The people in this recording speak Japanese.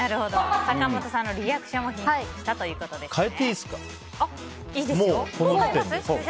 坂本さんのリアクションをヒントにしたということですね。